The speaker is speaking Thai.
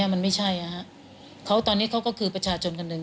มันไม่ใช่เขาตอนนี้เขาก็คือประชาชนคนหนึ่ง